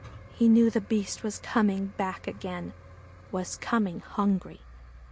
He knew the Beast was coming back again was coming hungry.